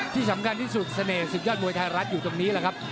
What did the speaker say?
ที่สำคัญที่สุดเสน่หสิทธิ์ยอดมวยไทยรัฐอยู่ตรงนี้แหละครับ